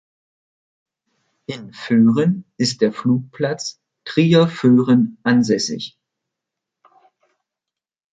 In Föhren ist der Flugplatz Trier-Föhren ansässig.